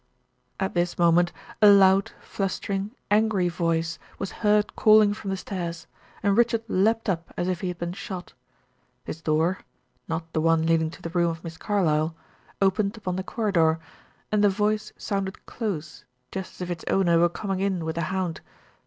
At this moment a loud, flustering, angry voice was heard calling from the stairs, and Richard leaped up as if he had been shot. His door not the one leading to the room of Miss Carlyle opened upon the corridor, and the voice sounded close, just as if its owner were coming in with a hound.